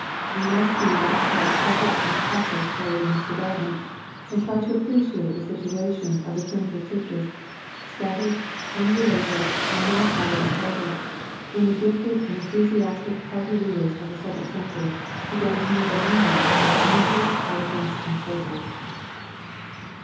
We must see what part prophets and apostles played in this development and try to appreciate the situation of the primitive churches, scattered, unrelated, and not highly intelligent, when the gifted and enthusiastic party leaders of the second century began to move among them with energy, eloquence, and fervor.